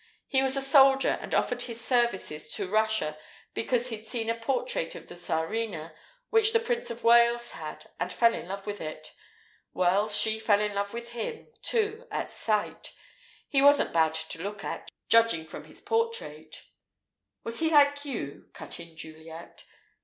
He was a soldier and offered his services to Russia because he'd seen a portrait of the Tsarina, which the Prince of Wales had, and fell in love with it. Well, she fell in love with him, too, at sight. He wasn't bad to look at, judging from his portrait " "Was he like you?" cut in Juliet.